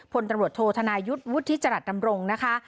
พลตำรวจโทษธนายุทธ์วุฒิจรัสดำรงนะคะ